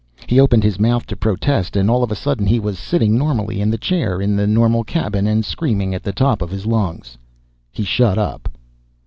He opened his mouth to protest, and all of a sudden he was sitting normally in the chair in the normal cabin and screaming at the top of his lungs. He shut up.